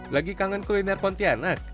lagi kangen kuliner pontianak